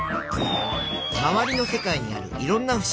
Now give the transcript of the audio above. まわりの世界にあるいろんなふしぎ。